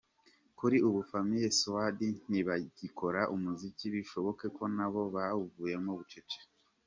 Kuri ubu Family Squad ntibagikora umuziki bishoboke ko nabo bawuvuyemo bucece.